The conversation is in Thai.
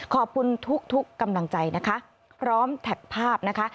ขอบคุณทุกทุกกำลังใจนะคะพร้อมแท็กภาพนะคะ